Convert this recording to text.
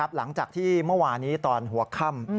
หลังจากที่เมื่อวานี้ตอนหัวค่ำ